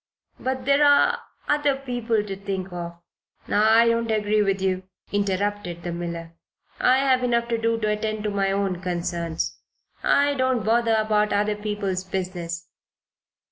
"But there are other people to think of " "I don't agree with you," interrupted the miller. "I have enough to do to attend to my own concerns. I don't bother about other people's business."